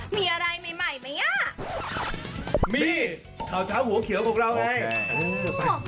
มีอะไรใหม่ใหม่ไหมอ่ะมีเขาจะหัวเขียวของเราไงโอเค